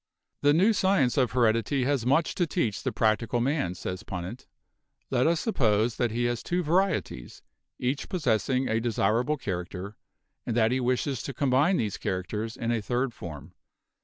"The new science of heredity has much to teach the practical man," says Punnett. "Let us suppose that he has two varieties, each possessing a desirable character, and that he wishes to combine these characters in a third form.